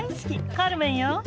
カルメンよ。